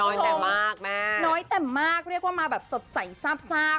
เต็มมากแม่น้อยแต่มากเรียกว่ามาแบบสดใสซาบซาก